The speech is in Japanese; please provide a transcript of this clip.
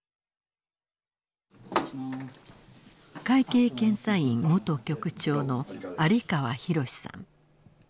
会計検査院元局長の有川博さん。